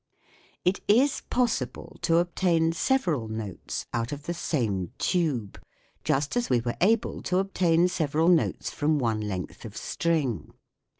It is possible to obtain several notes out of the same tube, just as we were able to obtain several notes from one length of string.